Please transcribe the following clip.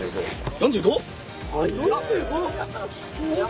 ４５！？